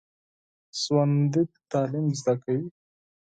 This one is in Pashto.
ژوندي تعلیم زده کوي